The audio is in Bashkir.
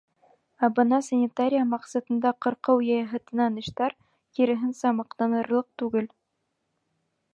Ә бына санитария маҡсатында ҡырҡыу йәһәтенән эштәр, киреһенсә, маҡтанырлыҡ түгел.